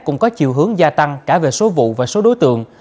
cũng có chiều hướng gia tăng cả về số vụ và số đối tượng